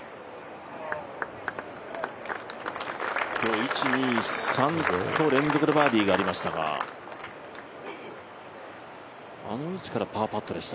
今日１、２、３と連続でバーディーがありましたが、あの位置からパーパットでした。